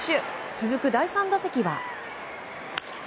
続く第３打席は。